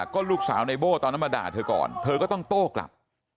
ก็ลูกสาวในโบ้ตอนนั้นมาด่าเธอก่อนเธอก็ต้องโต้กลับ